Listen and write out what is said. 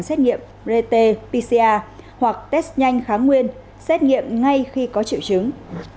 xét nghiệm rt pcr hoặc test nhanh kháng nguyên xét nghiệm ngay khi có triệu chứng